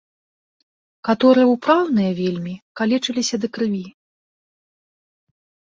Каторыя ўпраўныя вельмі, калечыліся да крыві.